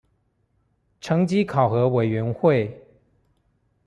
成績考核委員會